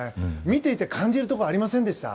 見ていて感じるところありませんでした？